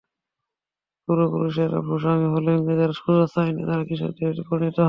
পূর্বপুরুষেরা ভূস্বামী হলেও ইংরেজের সূর্যাস্ত আইনে তাঁরা দরিদ্র কৃষকে পরিণত হন।